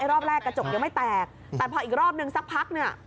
รอบแรกกระจกยังไม่แตกแต่พออีกรอบนึงสักพักเนี่ย